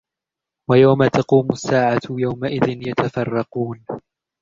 وَيَوْمَ تَقُومُ السَّاعَةُ يَوْمَئِذٍ يَتَفَرَّقُونَ